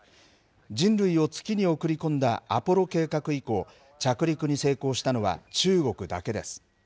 人類を月に送り込んだアポロ計画以降、着陸に成功したのは中国だけです。